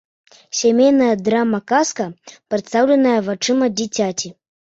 Сямейная драма-казка, прадстаўленая вачыма дзіцяці.